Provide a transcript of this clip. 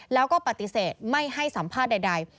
แล้วก็ปฏิเสธไม่ให้สัมภาษณ์ใด